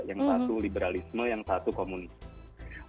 yang satu liberalisme yang satu komunisme